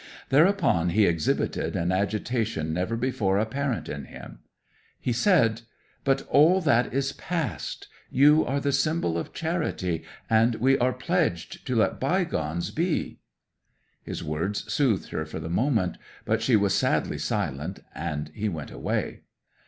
Thereupon he exhibited an agitation never before apparent in him. He said, "But all that is past. You are the symbol of Charity, and we are pledged to let bygones be." 'His words soothed her for the moment, but she was sadly silent, and he went away.